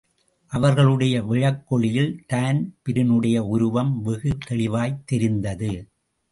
அவர்களுடைய விளக்கொளியில் தான்பிரினுடைய உருவம் வெகு தெளிவாய்த் தெரிந்தது.